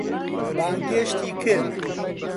بانگێشتی کرد.